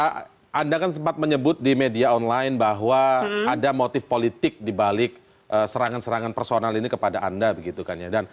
ya kan anda kan sempat menyebut di media online bahwa ada motif politik dibalik serangan serangan personal ini kepada anda